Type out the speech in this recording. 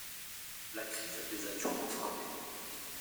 La crise les a durement frappé.